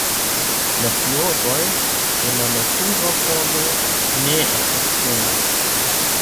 La floroj de la natura formo ne estas plenaj.